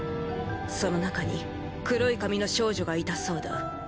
その中に黒い髪の少女がいたそうだ。